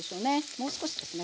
もう少しですね